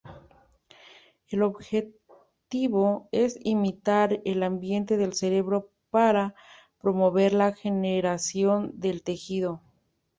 El objetivo es imitar el ambiente del cerebro para promover la regeneración de tejido.